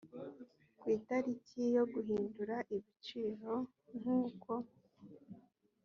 ku itariki yo guhindura ibiciro nk uko